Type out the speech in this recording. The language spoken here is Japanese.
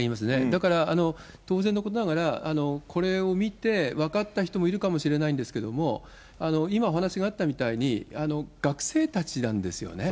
だから当然のことながら、これを見て、分かった人もいるかもしれないんですけれども、今、お話があったみたいに学生たちなんですよね。